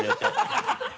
ハハハ